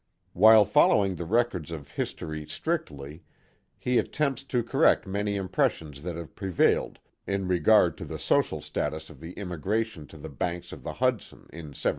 While following the records of history strictly, he attempts to correct many impressions that have prevailed in regard to the social status of the immigration to the banks of the Hudson, in 1710.